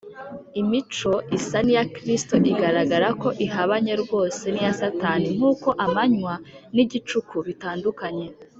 imico isa n’iya kristo igaragara ko ihabanye rwose n’iya satani nk’uko amanywa n’igicuku bitandukanye